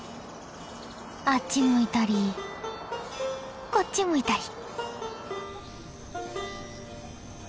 あっち向いたりこっち向いたり。